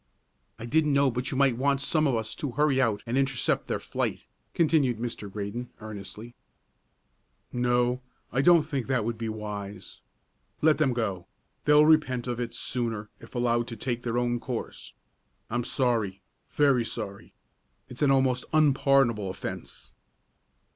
"I didn't know but you might want some of us to hurry out and intercept their flight," continued Mr. Graydon, earnestly. "No, I don't think that would be wise. Let them go; they'll repent of it sooner if allowed to take their own course. I'm sorry, very sorry. It's an almost unpardonable offence."